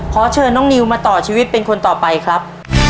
ขอเชิญน้องนิวมาต่อชีวิตเป็นคนต่อไปครับ